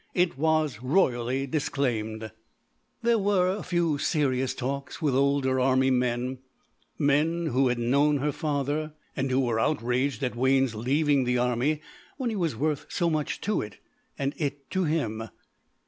It was royally disclaimed. There were a few serious talks with older army men, men who had known her father and who were outraged at Wayne's leaving the army when he was worth so much to it and it to him.